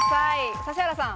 指原さん。